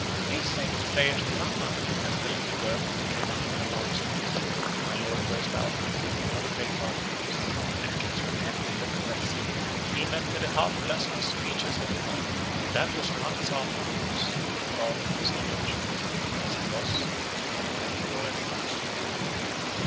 "He is saying his prayers to mamma," says the little girl, who came up to her papa's knees; and my lord burst out into another great laugh at this, and kinsman Henry looked very silly. He invented a half dozen of speeches in reply, but 'twas months afterwards when he thought of this adventure: as it was, he had never a word in answer.